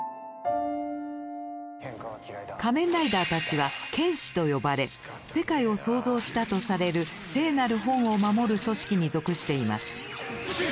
仮面ライダーたちは「剣士」と呼ばれ世界を創造したとされる「聖なる本」を守る組織に属しています。